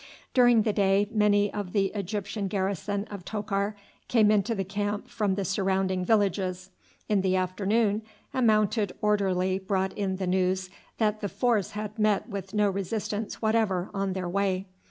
During the day many of the Egyptian garrison of Tokar came into the camp from the surrounding villages. In the afternoon a mounted orderly brought in the news that the force had met with no resistance whatever on their way.